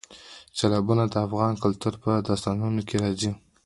سیلابونه د افغان کلتور په داستانونو کې راځي.